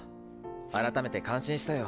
改めて感心したよ。